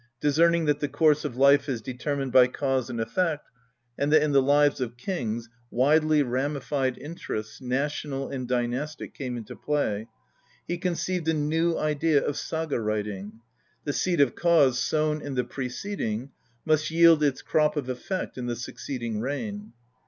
Discerning that the course of life is determined by cause and effect, and that in the lives of kings widely ramified interests, national and dynastic, come into play, he conceived a new idea of saga writing : the seed of cause sown in the preceding must yield its crop of effect in the succeeding reign.